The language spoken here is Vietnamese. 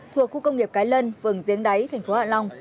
thuộc khu công nghiệp cái lân phường giếng đáy thành phố hạ long